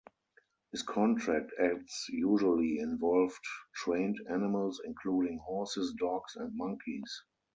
His contract acts usually involved trained animals including horses, dogs and monkeys.